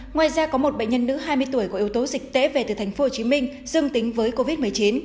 ngoài ra có một bệnh nhân nữ hai mươi tuổi có yếu tố dịch tễ về từ tp hcm dương tính với covid một mươi chín